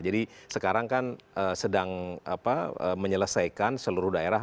jadi sekarang kan sedang menyelesaikan seluruh daerah